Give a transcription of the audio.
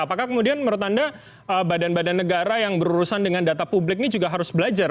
apakah kemudian menurut anda badan badan negara yang berurusan dengan data publik ini juga harus belajar